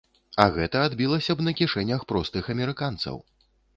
А гэта адбілася б на кішэнях простых амерыканцаў.